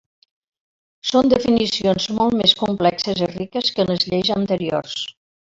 Són definicions molt més complexes i riques que en les lleis anteriors.